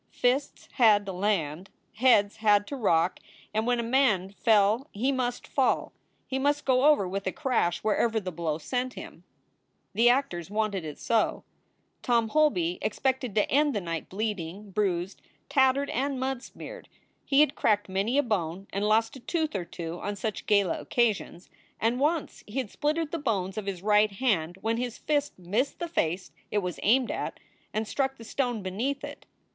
Fists had to land. Heads had to rock, and when a man fell he must fall. He must go over with a crash wherever the blow sent him. The actors wanted it so. SOULS FOR SALE 303 Tom Holby expected to end the night bleeding, bruised, tattered, and mud smeared. He had cracked many a bone and lost a tooth or two on such gala occasions; and once he had splintered the bones of his right hand when his fist missed the face it was aimed at and struck the stone beneath it.